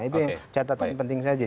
itu yang catatan penting saja